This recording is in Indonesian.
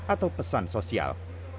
atau pesan sosial